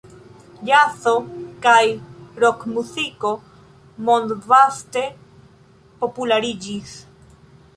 Ĵazo kaj rokmuziko mondvaste populariĝis.